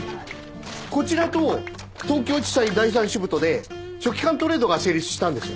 こちらと東京地裁第３支部とで書記官トレードが成立したんですよ。